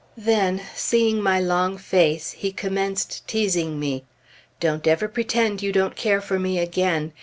Then, seeing my long face, he commenced teasing me. "Don't ever pretend you don't care for me again!